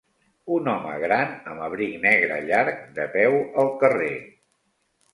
Un home gran amb abric negre llarg de peu al carrer.